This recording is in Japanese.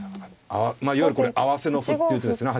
いわゆるこれ合わせの歩っていう手ですね